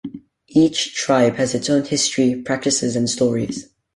Each tribe has its own history, practices, and stories.